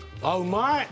あっうまい！